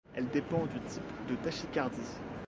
Elle dépend du type de tachycardie.